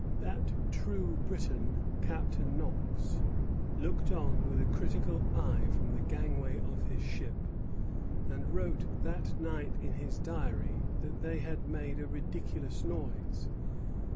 That true Briton, Captain Knox, looked on with a critical eye from the gangway of his ship, and wrote that night in his Diary that they had made a ridiculous noise.